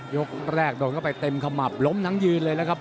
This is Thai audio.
ยกแรกโดนเข้าไปเต็มขมับล้มทั้งยืนเลยนะครับ